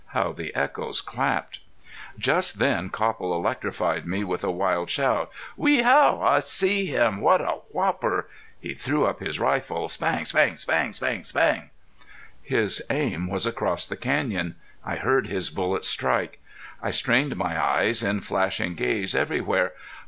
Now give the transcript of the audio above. How the echoes clapped! Just then Copple electrified me with a wild shout. "Wehow! I see him.... What a whopper!" He threw up his rifle: spang spang spang spang spang. His aim was across the canyon. I heard his bullets strike. I strained my eyes in flashing gaze everywhere.